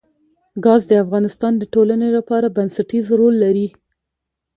ګاز د افغانستان د ټولنې لپاره بنسټيز رول لري.